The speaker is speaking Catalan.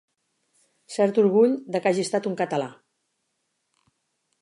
Cert orgull de que hagi estat un català.